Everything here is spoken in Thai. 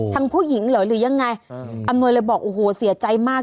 ผู้หญิงเหรอหรือยังไงอำนวยเลยบอกโอ้โหเสียใจมาก